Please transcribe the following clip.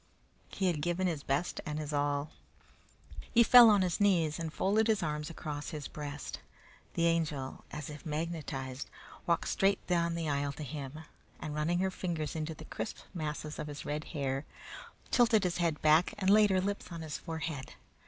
He had given his best and his all. He fell on his knees and folded his arms across his breast. The Angel, as if magnetized, walked straight down the aisle to him, and running her fingers into the crisp masses of his red hair, tilted his head back and laid her lips on his forehead.